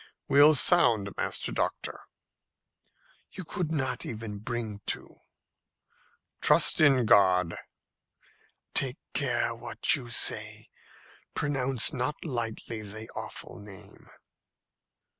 "We'll sound, Master Doctor." "You could not even bring to." "Trust in God." "Take care what you say. Pronounce not lightly the awful name."